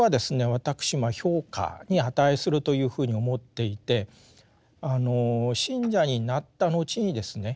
私評価に値するというふうに思っていて信者になった後にですね